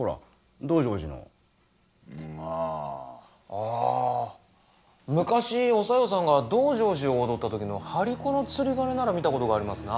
あ昔お小夜さんが「道成寺」を踊った時の張り子の釣り鐘なら見た事がありますな。